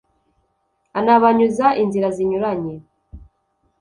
anabanyuza inzira zinyuranye